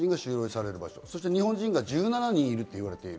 日本人が１７人いると言われている。